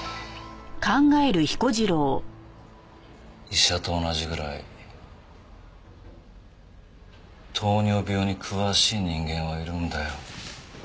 医者と同じぐらい糖尿病に詳しい人間はいるんだよ。